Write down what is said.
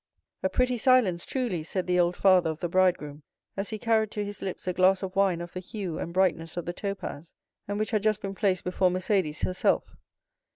"A pretty silence truly!" said the old father of the bridegroom, as he carried to his lips a glass of wine of the hue and brightness of the topaz, and which had just been placed before Mercédès herself.